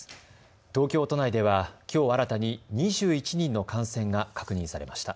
東京都内では、きょう新たに２１人の感染が確認されました。